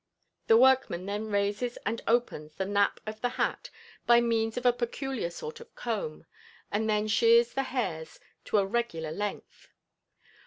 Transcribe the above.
The workman then raises and opens the nap of the hat by means of a peculiar sort of comb, and then shears the hairs to a regular length.